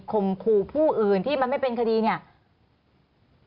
มขู่ผู้อื่นที่มันไม่เป็นคดีเนี่ย